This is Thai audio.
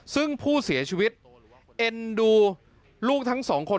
ซึ่งผู้เสียชีวิตเอ็นดูลูกทั้งสองคน